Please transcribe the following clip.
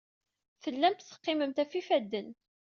Tellamt teqqimemt ɣef yifadden.